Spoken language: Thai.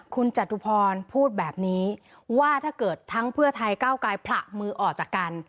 คุณจตุพรพูดแบบนี้ว่าถ้าเกิดทั้งเพื่อไทยก้าวไกลผลักมือออกจากกัน